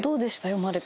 読まれて。